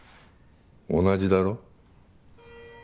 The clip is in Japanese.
同じだろ？